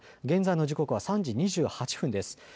現在の時刻は３時２８分です。